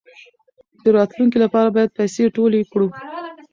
د راتلونکي لپاره باید پیسې ټولې کړو.